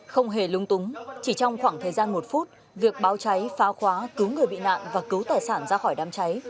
không hề lung túng chỉ trong khoảng thời gian một phút việc báo cháy phá khóa cứu người bị nạn và cứu tài sản ra khỏi đám cháy